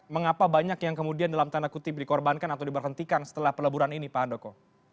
mengapa banyak yang kemudian dalam tanda kutip dikorbankan atau diberhentikan setelah peleburan ini pak handoko